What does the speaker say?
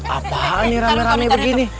apaan nih rame rame begini